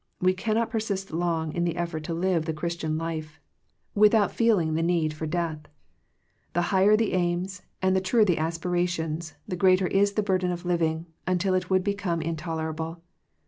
We cannot persist long in the effort to live the Christian life, without feeling the need 123 Digitized by VjOOQIC THE ECLIPSE OF FRIENDSHIP for death. The higher the aims, and the truer the aspirations, the greater is the burden of living, until it would become intolerable.